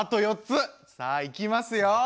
さあいきますよ